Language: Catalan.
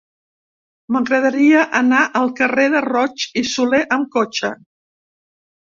M'agradaria anar al carrer de Roig i Solé amb cotxe.